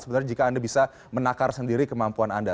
sebenarnya jika anda bisa menakar sendiri kemampuan anda